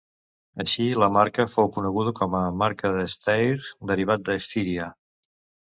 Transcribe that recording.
Així la marca fou coneguda com a marca de Steyr derivat a Estíria.